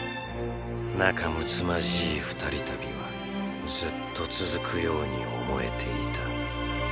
仲むつまじい二人旅はずっと続くように思えていた。